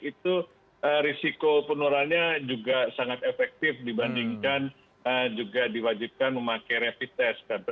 itu risiko penularannya juga sangat efektif dibandingkan juga diwajibkan memakai rapid test